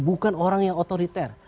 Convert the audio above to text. bukan orang yang otoriter